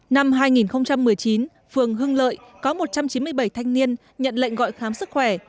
năm hai nghìn một mươi chín phường hưng lợi có một trăm chín mươi bảy thanh niên nhận lệnh gọi khám sức khỏe